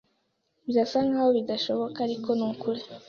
Birasa nkaho bidashoboka, ariko ni ukuri.